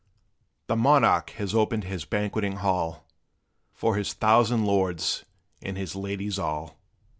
The monarch has opened his banqueting hall For his thousand lords, and his ladies all!